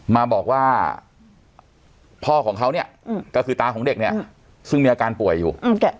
มาบอกว่าพ่อของเขาเนี่ยก็คือตาของเด็กเนี่ยซึ่งมีอาการป่วยอยู่